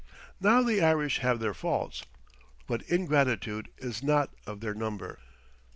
Now the Irish have their faults, but ingratitude is not of their number.